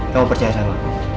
kamu percaya sama aku